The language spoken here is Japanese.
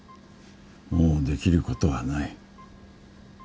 もうできることはない。